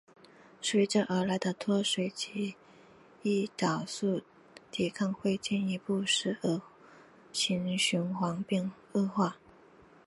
随之而来的脱水及胰岛素抵抗会进一步使恶性循环恶化。